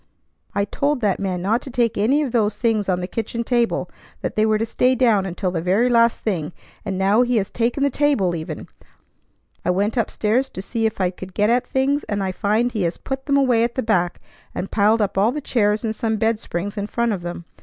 I told that man not to take any of those things on the kitchen table, that they were to stay down until the very last thing, and now he has taken the table even! I went up stairs to see if I could get at things, and I find he has put them away at the back, and piled all the chairs and some bed springs in front of them.